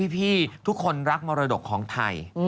พี่ทุกคนรักมรดกของไทย